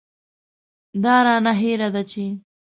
دا رانه هېره ده چې.